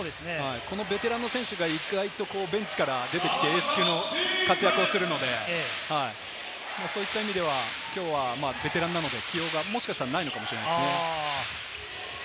このベテランの選手が意外とベンチから出てきてエース級の活躍をするので、そういった意味では、きょうはベテランなので、起用がもしかしたらないのかもしれません。